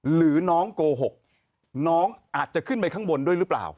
หรือน้องโกหกน้องอาจจะขึ้นไปข้างบนด้วยหรือเปล่า